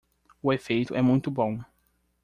O efeito é muito bom